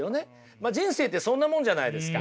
まあ人生ってそんなもんじゃないですか。